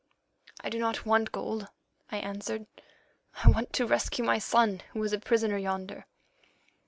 "'I do not want gold,' I answered; 'I want to rescue my son who is a prisoner yonder.